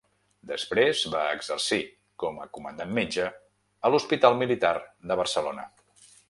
Després va exercir, com a comandant metge, a l’Hospital Militar de Barcelona.